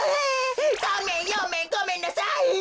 さんめんよんめんごめんなさい。